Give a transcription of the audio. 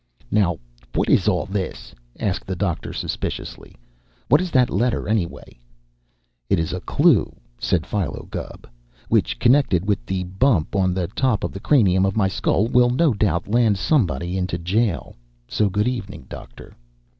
"Now, what is all this?" asked the doctor suspiciously. "What is that letter, anyway?" "It is a clue," said Philo Gubb, "which, connected with the bump on the top of the cranium of my skull, will, no doubt, land somebody into jail. So good evening, doctor."